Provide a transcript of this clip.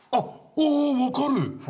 あ分かる！